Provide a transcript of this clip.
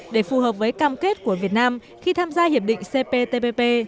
để phù hợp với cam kết của việt nam khi tham gia hiệp định cptpp